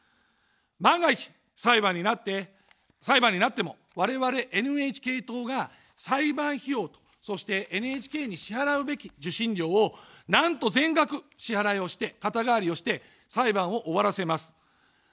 万が一、裁判になっても我々ＮＨＫ党が裁判費用と、そして、ＮＨＫに支払うべき受信料を、なんと全額支払いをして、肩代わりをして裁判を終わらせます。